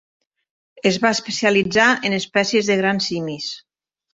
Es va especialitzar en espècies de grans simis.